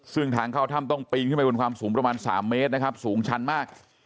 ซึ่งทางเข้าถ้ำต้องปีนขึ้นไปบนความสูงประมาณ๓เมตรนะครับสูงชั้นมาก